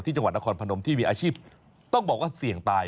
จังหวัดนครพนมที่มีอาชีพต้องบอกว่าเสี่ยงตาย